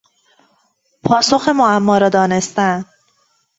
پاسخ معما را دانستن